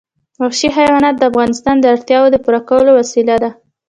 وحشي حیوانات د افغانانو د اړتیاوو د پوره کولو وسیله ده.